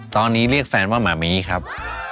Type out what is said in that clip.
ตอนนี้เรียกแฟนว่าหมามีครับ